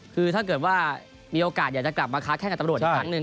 คือถ้าเกิดว่ามีโอกาสอยากจะกลับมาค้าแข้งกับตำรวจอีกครั้งหนึ่ง